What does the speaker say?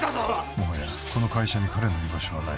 もはやこの会社に彼の居場所はない。